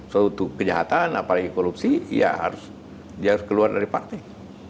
suatu kejahatan apalagi korupsi ya harus dia harus keluar dari partai